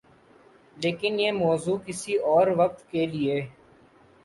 لیکن یہ موضوع کسی اور وقت کے لئے۔